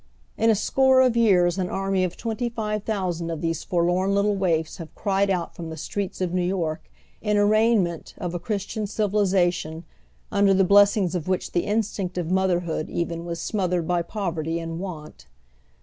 In a score of years an army of twenty five thousand of these forlorn little waifs have ci ied out from the streets of New York in arraignment of a Christian civilization under the blessings of which the in stinct of motherhood even was smothered by poverty and want.